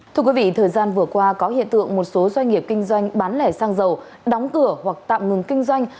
thưa quý vị thời gian vừa qua có hiện tượng một số doanh nghiệp kinh doanh bán lẻ xăng dầu đóng cửa hoặc tạm ngừng kinh doanh